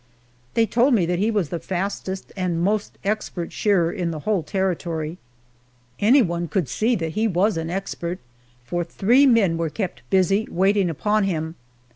They told me that he was the very fastest and most expert shearer in the whole territory. Anyone could see that he was an expert, for three men were kept busy waiting upon him.